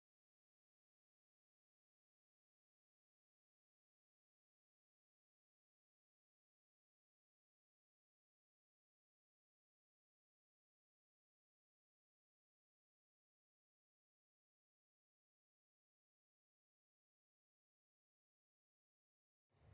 kayaknya ngak darkin yang mbak andin ini coba